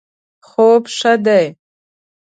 خوب ښه دی